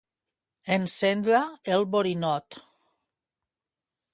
Encendre el borinot.